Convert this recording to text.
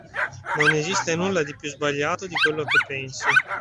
Non esiste nulla di più sbagliato di quello che pensi.